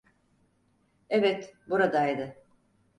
Evet, buradaydı.